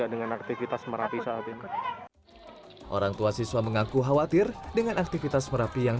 dengan aktivitas merapi saat ini orang tua siswa mengaku khawatir dengan aktivitas merapi yang